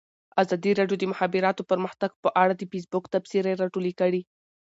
ازادي راډیو د د مخابراتو پرمختګ په اړه د فیسبوک تبصرې راټولې کړي.